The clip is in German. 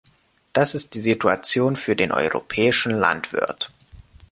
Das ist die Situation für den europäischen Landwirt.